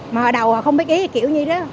mà họ đậu họ không biết ý kiểu như thế đó